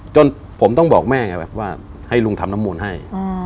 จนผมต้องบอกแม่ไงว่าให้ลุงทำน้ำมูลให้